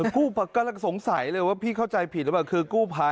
กู้ภัยก็สงสัยเลยว่าพี่เข้าใจผิดหรือเปล่า